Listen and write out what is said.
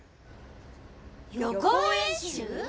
予行演習！？